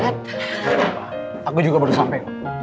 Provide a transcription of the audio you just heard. gak apa apa aku juga baru sampai